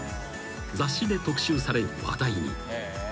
［雑誌で特集され話題に］